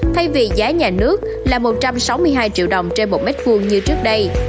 thay vì giá nhà nước là một trăm sáu mươi hai triệu đồng trên một mét vuông như trước đây